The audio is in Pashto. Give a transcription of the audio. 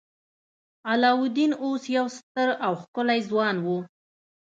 علاوالدین اوس یو ستر او ښکلی ځوان و.